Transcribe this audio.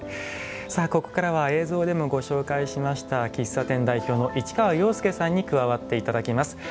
さあここからは映像でもご紹介しました喫茶店代表の市川陽介さんに加わって頂きます。